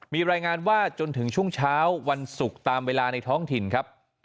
มีรายงานว่าจนถึงช่วงเช้าวันศุกร์ตามเวลาในท้องถิ่นครับ